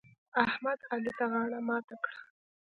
احمد؛ علي ته غاړه ماته کړه.